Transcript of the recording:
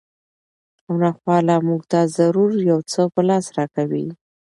او ناخواله مونږ ته ضرور یو څه په لاس راکوي